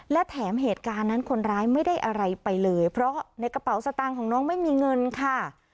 และแถมเหตุการณ์นั้นคนร้ายไม่ได้อะไรไปเลยเพราะในกระเป๋าสตางค์ของน้องไม่มีเงินค่ะ